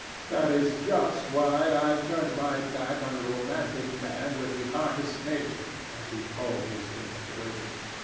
That is just why I turned my back on the romantic man with the artist nature, as he called his infatuation.